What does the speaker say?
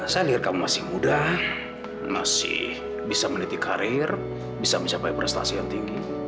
saya lihat kamu masih muda masih bisa meniti karir bisa mencapai prestasi yang tinggi